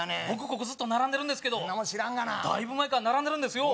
ここずっと並んでるんですけどそんなもん知らんがなだいぶ前から並んでるんですよ